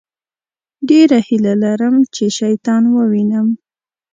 ډېره هیله لرم چې شیطان ووينم.